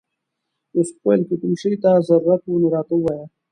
یوسف وویل که کوم شي ته ضرورت و نو راته ووایه.